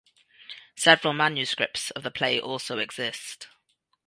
Several manuscripts of the play also exist.